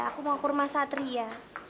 aku mau kurma satria